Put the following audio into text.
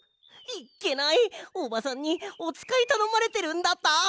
いっけないおばさんにおつかいたのまれてるんだった！